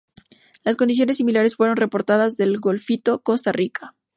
Condiciones similares fueron reportadas en Golfito, Costa Rica.